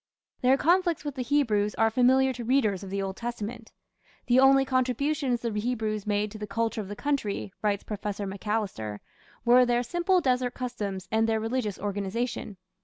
Their conflicts with the Hebrews are familiar to readers of the Old Testament. "The only contributions the Hebrews made to the culture of the country", writes Professor Macalister, "were their simple desert customs and their religious organization.